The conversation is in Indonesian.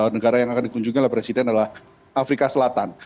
negara yang akan dikunjungi oleh presiden adalah afrika selatan